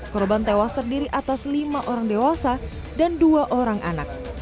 korban tewas terdiri atas lima orang dewasa dan dua orang anak